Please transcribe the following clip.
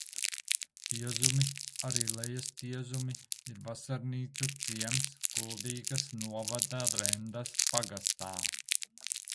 Tiezumi, arī Lejastiezumi, ir vasarnīcu ciems Kuldīgas novada Rendas pagastā.